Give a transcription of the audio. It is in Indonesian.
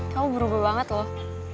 kamu berubah banget loh